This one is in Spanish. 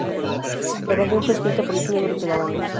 La canción fue escrita por los miembros de la banda.